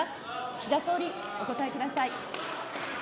岸田総理、お答えください。